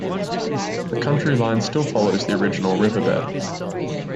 The county line still follows the original riverbed.